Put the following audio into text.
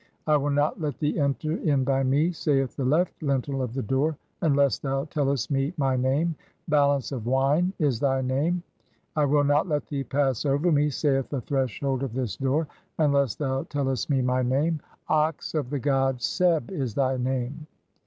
'I will "not let thee enter in by me,' saith the [left] lintel of the door, "(3o) 'unless thou tellest [me] my name' ; ['Balance of] wine' is "thy name. 'I will not let thee pass over me,' saith the thres hold of this door, 'unless thou tellest [me] my name'; 'Ox of "the god Seb' is thy name.